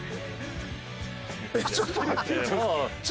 えっちょっと待って。